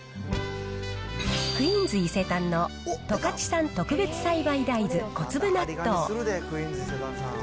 クイーンズ伊勢丹の十勝産特別栽培大豆小粒納豆。